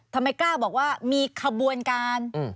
ทำไมกล้าบอกว่ามีขบวนการ